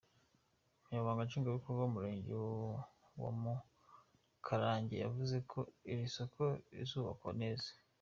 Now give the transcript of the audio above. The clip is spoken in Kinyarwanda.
Umunyamabanga Nshingwabikorwa w’Umurenge wa Mukarange yavuze ko iri soko rizubakwa neza.